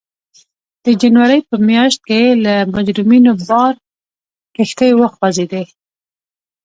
د جنورۍ په میاشت کې له مجرمینو بار کښتۍ وخوځېدې.